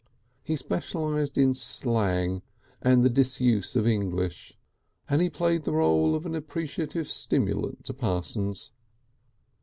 He specialised in slang and the disuse of English, and he played the rôle of an appreciative stimulant to Parsons.